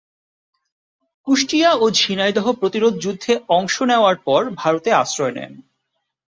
কুষ্টিয়া ও ঝিনাইদহ প্রতিরোধ যুদ্ধে অংশ নেওয়ার পর ভারতে আশ্রয় নেন।